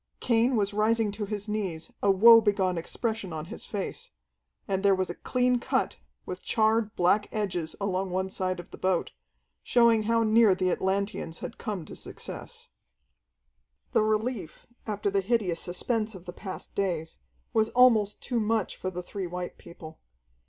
Cain was rising to his knees, a woe begone expression on his face. And there was a clean cut, with charred, black edges along one side of the boat, showing how near the Atlanteans had come to success. The relief, after the hideous suspense of the past days, was almost too much for the three white people.